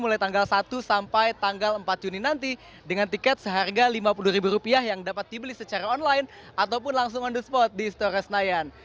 mulai tanggal satu sampai tanggal empat juni nanti dengan tiket seharga lima puluh ribu rupiah yang dapat dibeli secara online ataupun langsung on the spot di stora senayan